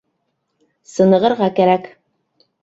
Сынығырға кәрәк